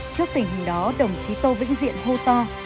trước tình hình đó đồng chí tô vĩnh diện hô to